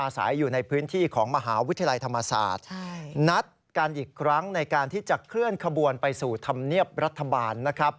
สู่ธรรมเนียบรัฐบาลนะครับ